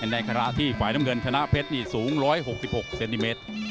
ในขณะที่ฝ่ายน้ำเงินชนะเพชรนี่สูง๑๖๖เซนติเมตร